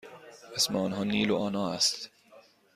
اسم آنها نیل و آنا است.